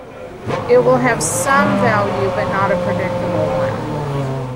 It will have "some" value, but not a predictable one.